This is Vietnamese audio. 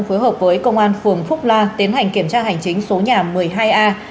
phối hợp với công an phường phúc la tiến hành kiểm tra hành chính số nhà một mươi hai a